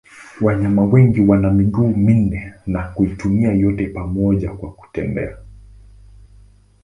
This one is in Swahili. Wanyama wengi wana miguu minne na kuitumia yote pamoja kwa kutembea.